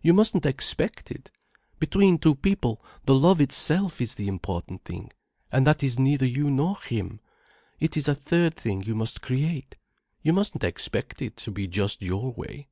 You mustn't expect it. Between two people, the love itself is the important thing, and that is neither you nor him. It is a third thing you must create. You mustn't expect it to be just your way."